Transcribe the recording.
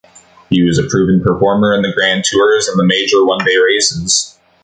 He was a proven performer in the Grand Tours and the major one-day races.